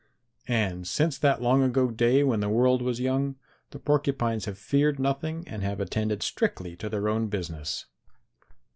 "And since that long ago day when the world was young, the Porcupines have feared nothing and have attended strictly to their own business.